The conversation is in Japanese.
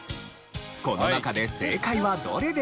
この中で正解はどれでしょう？